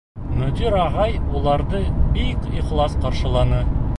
Мөдир ағай уларҙы бик ихлас ҡаршыланы: